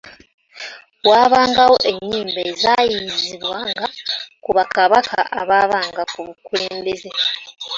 Waabangawo ennyimba ezayiiyiizibwanga ku Bakabaka abaabanga ku bukulembeze